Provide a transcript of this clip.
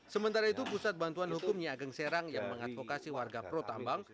sementara itu pusat bantuan hukum niageng serang yang mengadvokasi warga pro tambang